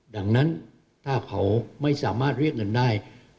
ดังนั้นถ้าเขาไม่สามารถเรียกเงินได้